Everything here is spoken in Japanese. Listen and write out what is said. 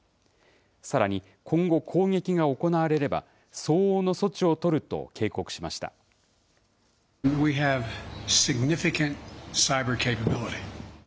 さらに今後、攻撃が行われれば、相応の措置を取ると警告しました。